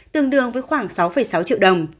tương đương với khoảng sáu sáu triệu đồng